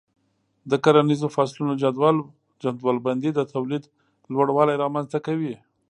د کرنیزو فصلونو جدول بندي د تولید لوړوالی رامنځته کوي.